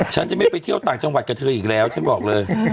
ฉันจะไม่ไปเที่ยวต่างจังหวัดกับเธออีกแล้วฉันบอกเลย